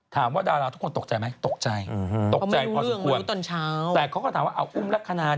แต่เขาก็ถามว่าอู้มรักคณา